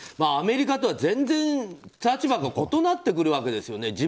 アメリカとは全然立場が異なってくるわけですよね。